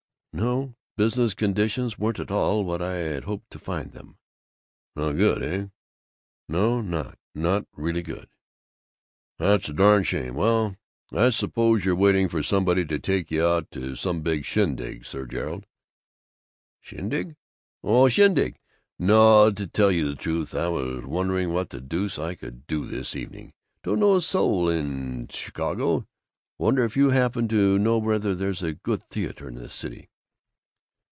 "No, business conditions weren't at all what I'd hoped to find them." "Not good, eh?" "No, not not really good." "That's a darn shame. Well I suppose you're waiting for somebody to take you out to some big shindig, Sir Gerald." "Shindig? Oh. Shindig. No, to tell you the truth, I was wondering what the deuce I could do this evening. Don't know a soul in Tchicahgo. I wonder if you happen to know whether there's a good theater in this city?"